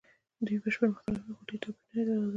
دوی بشپړ مختلف نه وو؛ خو ډېر توپیرونه یې درلودل.